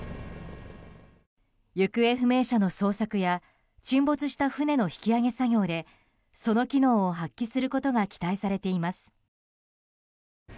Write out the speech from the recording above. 行方不明者の捜索や沈没した船の引き揚げ作業でその機能を発揮することが期待されています。